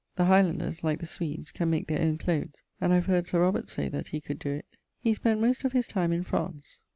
The Highlanders (like the Swedes) can make their owne cloathes; and I have heard Sir Robert say that he could doe it. He spent most of his time in France.